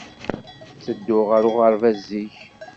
Ttedduɣ ɣer uɣerbaz zik.